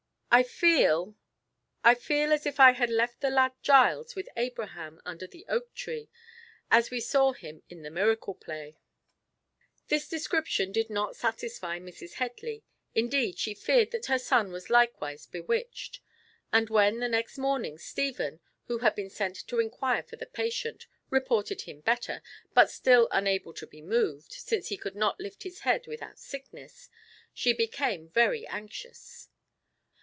I feel—I feel as if I had left the lad Giles with Abraham under the oak tree, as we saw him in the miracle play!" This description did not satisfy Mrs. Headley, indeed she feared that her son was likewise bewitched; and when, the next morning, Stephen, who had been sent to inquire for the patient, reported him better, but still unable to be moved, since he could not lift his head without sickness, she became very anxious.